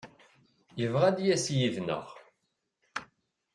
Yebɣa ad d-yas yid-neɣ.